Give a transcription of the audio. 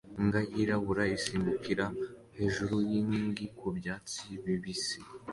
Imbwa yirabura isimbukira hejuru yinkingi ku byatsi bibisi